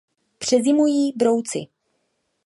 Přezimují brouci.